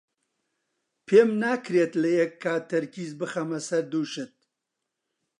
پێم ناکرێت لە یەک کات تەرکیز بخەمە سەر دوو شت.